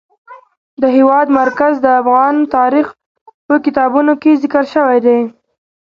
د هېواد مرکز د افغان تاریخ په کتابونو کې ذکر شوی دي.